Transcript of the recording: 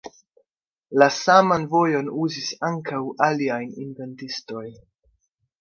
La saman vojon uzis ankaŭ aliaj inventistoj.